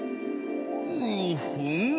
うふん。